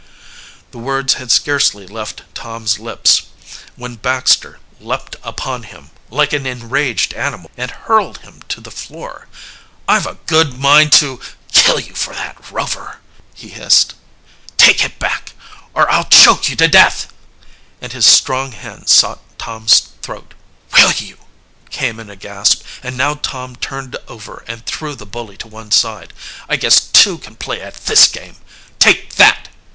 The words had scarcely left Tom's lips than Baxter leaped upon him like an enraged animal and hurled him to the floor. "I've a good mind to to kill you for that, Rover!" he hissed. "Take it back, or I'll choke you to death!" and his strong hand sought Tom's throat. "Will you!" came in a gasp, and now Tom turned over and threw the bully to one side. "I guess two can play at this game. Take that!"